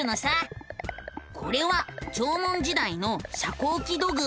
これは縄文時代の遮光器土偶。